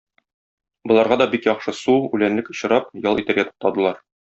Боларга да бик яхшы су, үләнлек очрап, ял итәргә туктадылар.